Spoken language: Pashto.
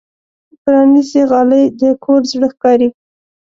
پرانستې غالۍ د کور زړه ښکاري.